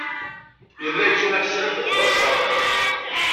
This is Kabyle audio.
Yella yettuneḥsab d asaḍ.